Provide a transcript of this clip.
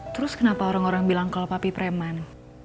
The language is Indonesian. terus kenapa orang orang bilang kalau papi preman